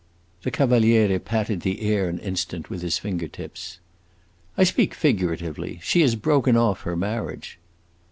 The Cavaliere patted the air an instant with his finger tips. "I speak figuratively. She has broken off her marriage."